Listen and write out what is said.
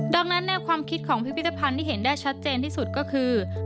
ดังนั้นแนวความคิดของพิพิธภัณฑ์ที่เห็นได้ชัดเจนที่สุดก็คือ